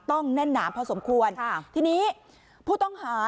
ต้องแน่นหนามพอสมควรทีนี้ผู้ต้องหา